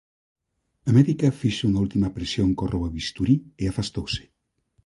A médica fixo unha última presión co robobisturí e afastouse.